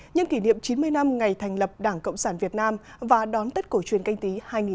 nhân kỷ niệm chín mươi năm ngày thành lập đảng cộng sản việt nam và đón tết cổ truyền canh tí hai nghìn hai mươi